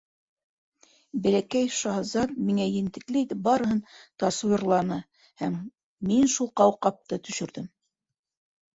Бәләкәй шаһзат миңә ентекле итеп барыһын тасуирланы һәм мин шул ҡауҡабты төшөрҙөм.